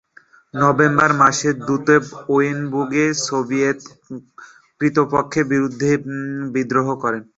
November মাসে Dutov ওরেনবুর্গে Soviet কর্তৃপক্ষের বিরুদ্ধে বিদ্রোহ করেন।